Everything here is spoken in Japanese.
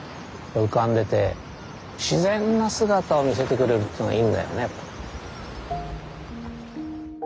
浮かんでて自然な姿を見せてくれるっていうのがいいんだよね。